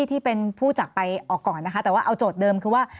ที่เป็นผู้จักรไปออกก่อนนะคะแต่ว่าเอาโจทย์เดิมคือว่า